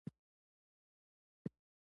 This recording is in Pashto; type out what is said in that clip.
او پر غلطه یې روانوي.